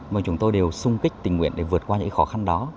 mà chúng tôi đều sung kích tình nguyện để vượt qua những khó khăn đó